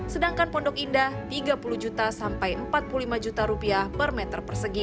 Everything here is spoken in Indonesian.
sedangkan pondok indah rp tiga puluh juta sampai empat puluh lima juta rupiah per meter persegi